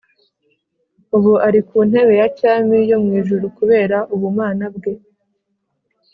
” (ubu ari ku ntebe ya cyami yo mu ijuru kubera ubumana bwe,